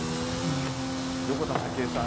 横田早紀江さん、